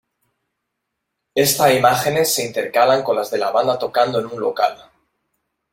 Esta imágenes se intercalan con las de la banda tocando en un local.